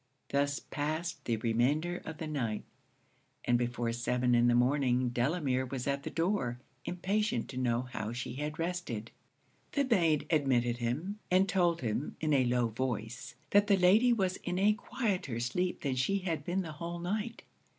Thus past the remainder of the night; and before seven in the morning Delamere was at the door, impatient to know how she had rested. The maid admitted him, and told him, in a low voice, that the Lady was in a quieter sleep than she had been the whole night.